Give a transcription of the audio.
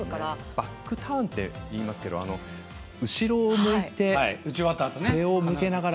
バックターンっていいますけど、後ろを向いて背を向けながら。